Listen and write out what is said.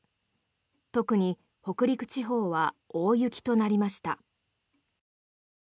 特に北陸地方は大雪となりました。